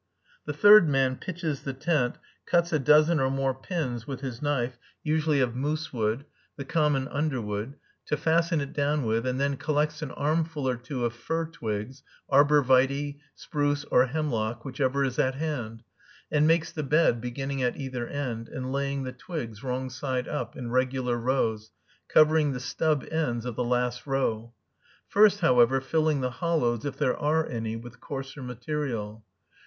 The third man pitches the tent, cuts a dozen or more pins with his knife, usually of moose wood, the common underwood, to fasten it down with, and then collects an armful or two of fir twigs, arbor vitæ, spruce, or hemlock, whichever is at hand, and makes the bed, beginning at either end, and laying the twigs wrong side up, in regular rows, covering the stub ends of the last row; first, however, filling the hollows, if there are any, with coarser material.